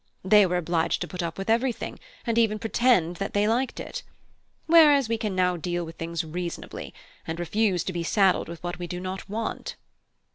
They were obliged to put up with everything, and even pretend that they liked it; whereas we can now deal with things reasonably, and refuse to be saddled with what we do not want."